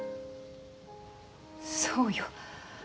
そうよ。